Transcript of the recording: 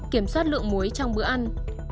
kiểm soát lượng muối trong bữa ăn